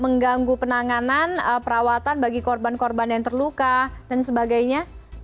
mengganggu penanganan perawatan bagi korban korban yang terluka dan sebagainya